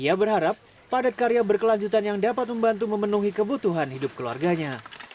ia berharap padat karya berkelanjutan yang dapat membantu memenuhi kebutuhan hidup keluarganya